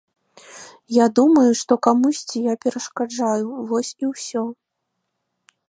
Я думаю, што камусьці я перашкаджаю, вось і ўсё.